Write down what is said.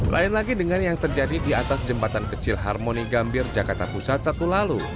lain lagi dengan yang terjadi di atas jembatan kecil harmoni gambir jakarta pusat sabtu lalu